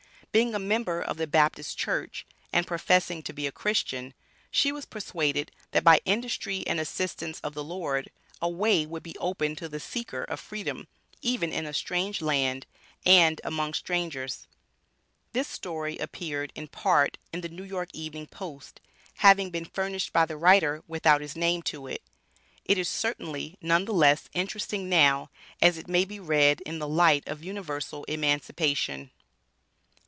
Being a member of the Baptist Church, and professing to be a Christian, she was persuaded that, by industry and assistance of the Lord, a way would be opened to the seeker of Freedom even in a strange land and among strangers. This story appeared in part in the N.Y. Evening Post, having been furnished by the writer, without his name to it. It is certainly none the less interesting now, as it may be read in the light of Universal Emancipation.